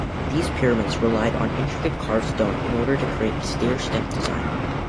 These pyramids relied on intricate carved stone in order to create a stair-stepped design.